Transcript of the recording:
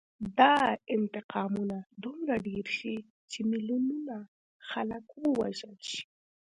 دا انتقامونه دومره ډېر شي چې میلیونونه خلک ووژل شي